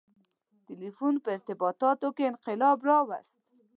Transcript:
• ټیلیفون په ارتباطاتو کې انقلاب راوست.